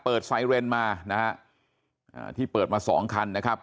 ไซเรนมานะฮะอ่าที่เปิดมาสองคันนะครับ